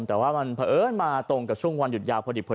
แต่ว่ามันเผอิญมาตรงกับช่วงวันหยุดยาวพอดี